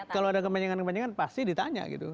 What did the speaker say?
kalau ada kemenjangan kemenjangan pasti ditanya gitu